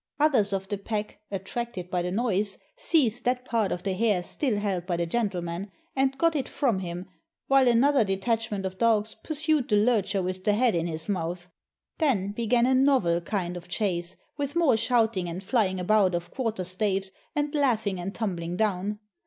Others of the pack, attracted by the noise, seized that part of the hare still held by the gentleman, and got it from him, while another detach ment of dogs pursued the lurcher with the head in his mouth. Then began a novel kind of chase, with more shouting and flying about of quarter staves, and laugh ing and tumbling down.